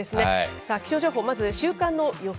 さあ、気象情報、まず週間の予想